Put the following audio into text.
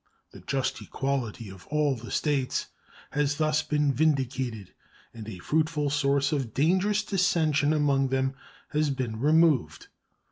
The just equality of all the States has thus been vindicated and a fruitful source of dangerous dissension among them has been removed.